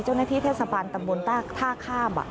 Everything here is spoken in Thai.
เจ้าหน้าที่เทศบาลตำบลท่าข้าม